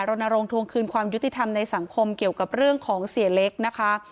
รณรงควงคืนความยุติธรรมในสังคมเกี่ยวกับเรื่องของเสียเล็กนะคะ